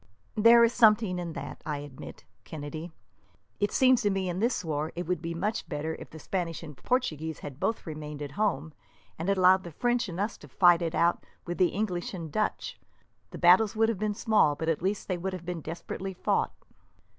"There is something in that, I admit, Kennedy. It seems to me that, in this war, it would be much better if the Spaniards and Portuguese had both remained at home, and allowed the French and us fight it out with the English and Dutch. The battles would have been small, but at least they would have been desperately fought."